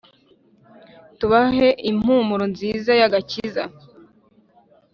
tubahe impumuro nziza y’agakiza.